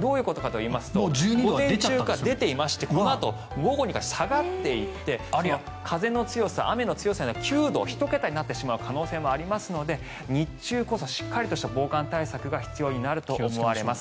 どういうことかといいますと午前中から出ていましてこのあと午後にかけて下がっていって風の強さ、雨の強さで１桁、９度になってしまう可能性がありますので日中こそしっかりとした防寒対策が必要になると思われます。